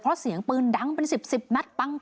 เพราะเสียงปืนดังเป็น๑๐นัดปัง